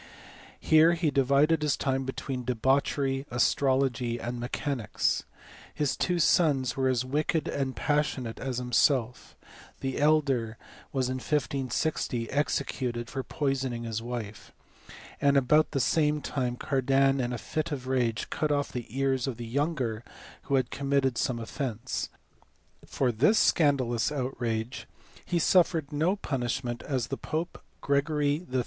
Here he divided his time between debauchery, astrology, and mechanics. His two sons were as wicked and passionate as him self : the elder was in 1560 executed for poisoning his wife, and about the same time Cardan in a fit of rage cut off the ears of the younger who had committed some offence; for this scan dalous outrage he suffered no punishment as the pope Gregory XIII.